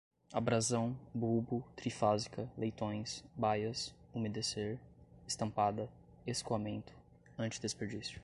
abrasão, bulbo, trifásica, leitões, baias, umedecer, estampada, escoamento, antidesperdício